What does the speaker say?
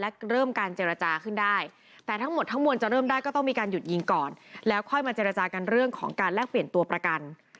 เพราะฉะนั้นมันไม่ได้ปลอดภัยให้พวกมันอยู่ในที่ปลอดภัย